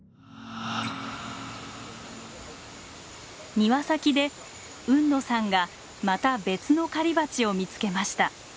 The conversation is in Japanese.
庭先で海野さんがまた別の狩りバチを見つけました。